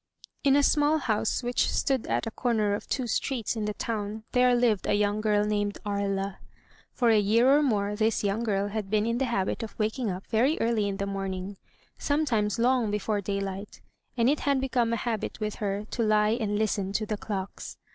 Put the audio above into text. In a small house which stood at a corner of two streets in the town there lived a young girl named Aria. For a year or more this young girl had been in the habit of waking up very early in the morning, sometimes long before daylight, and it had become a habit with her to lie and listen to the clocks.